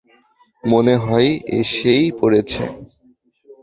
মনে হয় এসেই পড়েছে।